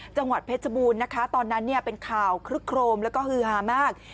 จังหวัดเพชรบูรณ์นะคะตอนนั้นเนี่ยเป็นข่าวคลึกโครมแล้วก็ฮือฮามาก